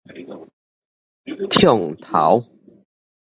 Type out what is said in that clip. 暢頭